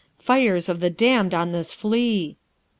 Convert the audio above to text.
Fires of the damned on this flea!'